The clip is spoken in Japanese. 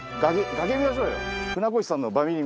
崖見ましょうよ。